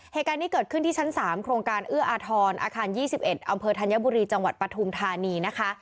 เหตุการณ์นี้เกิดขึ้นที่ชั้น๓โครงการเอื้ออาทรอาคาร๒๑อำเภอธัญบุรีจังหวัดปฐุมธานีนะคะ